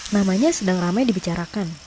namanya sedang ramai dibicarakan